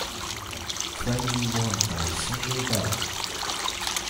Frangieh won by a single vote.